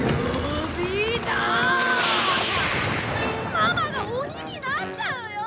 ママが鬼になっちゃうよ！